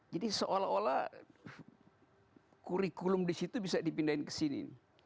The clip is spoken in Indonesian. jadi seolah olah kurikulum di situ bisa dipindahin ke sini